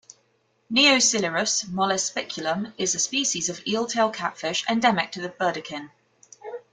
"Neosilurus mollespiculum" is a species of eeltail catfish endemic to the Burdekin.